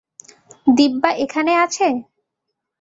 দিব্যা এখানে আছে?